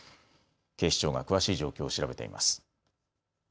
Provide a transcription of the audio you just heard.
警視庁が詳しい状況を調べています。